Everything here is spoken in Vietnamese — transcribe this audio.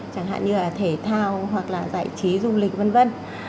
chẳng hạn như là thể thao hoặc là giải trí du lịch vân vân